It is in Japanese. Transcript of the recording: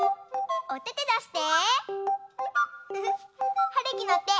おててだして！